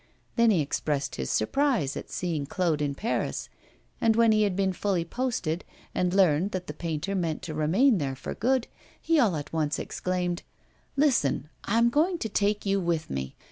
Then he expressed his surprise at seeing Claude in Paris, and, when he had been fully posted, and learned that the painter meant to remain there for good, he all at once exclaimed: 'Listen, I am going to take you with me.